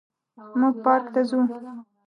موږ پارک ته ځو